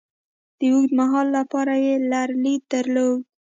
د اوږد مهال لپاره یې لرلید درلود.